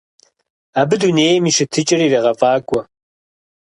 Абы дунейм и щытыкӀэр ирегъэфӀакӀуэ.